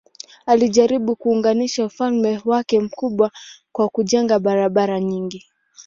Alijaribu kuunganisha ufalme wake mkubwa kwa kujenga barabara nyingi.